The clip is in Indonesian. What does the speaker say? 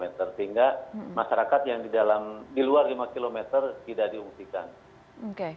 sehingga masyarakat yang di dalam di luar lima km tidak akan lebih dari lima km